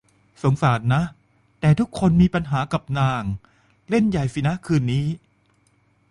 สงสารนะ แต่ทุกคนมีปัญหากับนาง เล่นใหญ่สินะคืนนี้